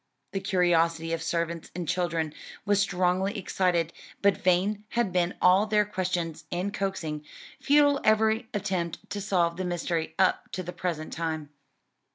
The curiosity of servants and children was strongly excited, but vain had been all their questions and coaxing, futile every attempt to solve the mystery up to the present time.